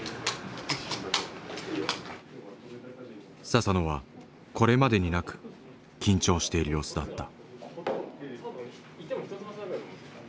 佐々野はこれまでになく緊張している様子だった。